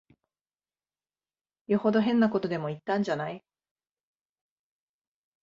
よほど変なことでも言ったんじゃない。